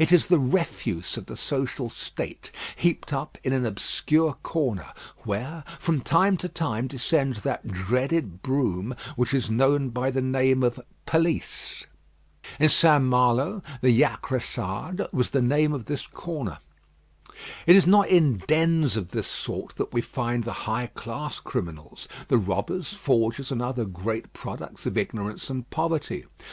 It is the refuse of the social state, heaped up in an obscure corner, where from time to time descends that dreaded broom which is known by the name of police. In St. Malo, the Jacressade was the name of this corner. It is not in dens of this sort that we find the high class criminals the robbers, forgers, and other great products of ignorance and poverty.